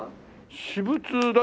私物だよ。